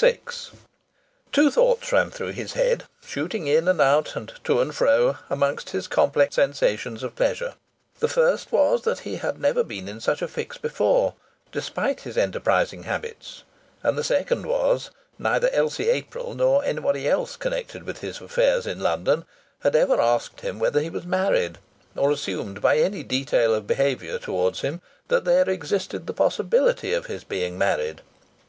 VI Two thoughts ran through his head, shooting in and out and to and fro among his complex sensations of pleasure. The first was that he had never been in such a fix before, despite his enterprising habits. And the second was that neither Elsie April nor anybody else connected with his affairs in London had ever asked him whether he was married, or assumed by any detail of behaviour towards him that there existed the possibility of his being married.